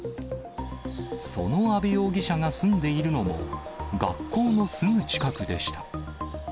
その阿部容疑者が住んでいるのも、学校のすぐ近くでした。